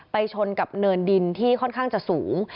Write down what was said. ชนกับเนินดินที่ค่อนข้างจะสูง